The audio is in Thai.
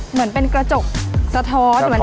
เหมือนเป็นกระจกสะท้อน